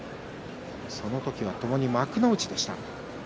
その時はともに幕内でした。